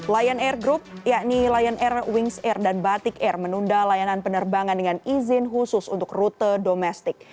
lion air group yakni lion air wings air dan batik air menunda layanan penerbangan dengan izin khusus untuk rute domestik